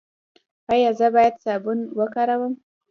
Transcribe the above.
ایا زه باید صابون وکاروم؟